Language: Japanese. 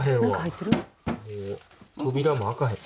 扉も開かへん。